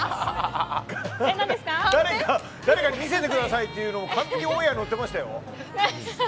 誰かに見せてくださいって言ってたの完全にオンエアに載っていましたよ。